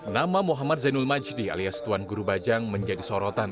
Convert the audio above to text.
nama muhammad zainul majdi alias tuan guru bajang menjadi sorotan